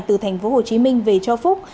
từ thành phố hồ chí minh về cho phúc